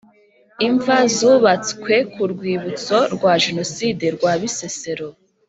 Imva zubatswe ku Rwibutso rwa Jenoside rwa Bisesero